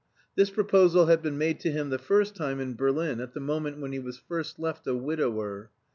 This proposal had been made to him the first time in Berlin, at the moment when he was first left a widower.